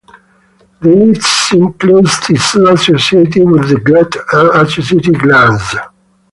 This includes tissue associated with the gut and associated glands.